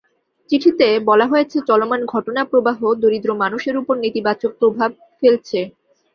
চিঠিতে বলা হয়েছে, চলমান ঘটনাপ্রবাহ দরিদ্র মানুষের ওপর নেতিবাচক প্রভাব ফেলছে।